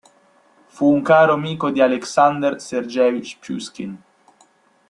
Fu un caro amico di Aleksandr Sergeevič Puškin.